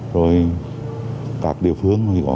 rồi các địa phương